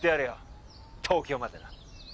東京までな。